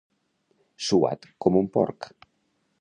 Suat com un porc.